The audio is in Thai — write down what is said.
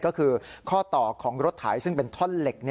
ก็คือข้อต่อของรถไถซึ่งเป็นท่อนเหล็ก